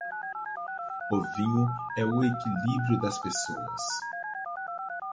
O vinho é o equilíbrio das pessoas.